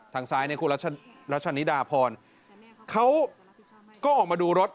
ทางซ้ายเนี่ยคุณรัชนิดาพรเขาก็ออกมาดูรถ